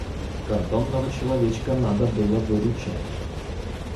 Картонного человечка надо было выручать.